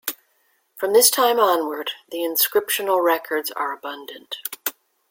From this time onward, the inscriptional records are abundant.